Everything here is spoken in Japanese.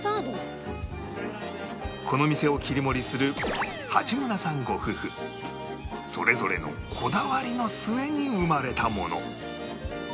この店を切り盛りする八村さんご夫婦それぞれのこだわりの末に生まれたもの